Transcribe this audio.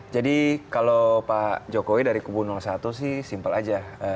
jadi kalau pak jokowi dari kubu satu sih simple aja